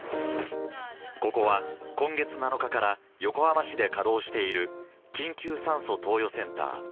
ここは今月７日から横浜市で稼働している緊急酸素投与センター。